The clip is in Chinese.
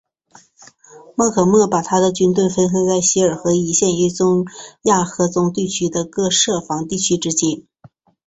摩诃末把他的军队分散在锡尔河一线与中亚河中地区的各设防地区之间。